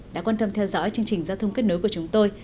đã quan tâm theo dõi chương trình giao thông kết nối của chúng tôi